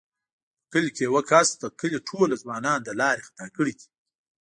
په کلي کې یوه کس د کلي ټوله ځوانان له لارې خطا کړي دي.